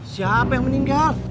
siapa yang meninggal